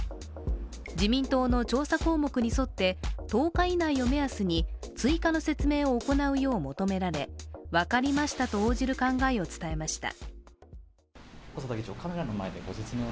自民党の調査項目に沿って、１０日以内を目安に追加の説明を行うよう求められ分かりましたと応じる考えを伝えました。